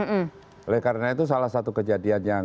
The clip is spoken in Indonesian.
oleh karena itu salah satu kejadian yang